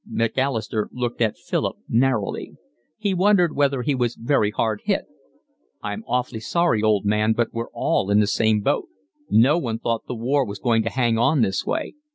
Macalister looked at Philip narrowly. He wondered whether he was very hard hit. "I'm awfully sorry, old man, but we're all in the same boat. No one thought the war was going to hang on this way.